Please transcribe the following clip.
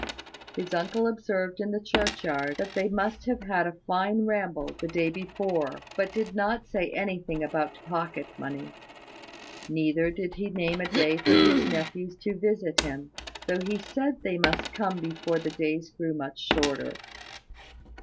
His uncle observed in the churchyard that they must have had a fine ramble the day before; but did not say anything about pocket money. Neither did he name a day for his nephews to visit him, though he said they must come before the days grew much shorter.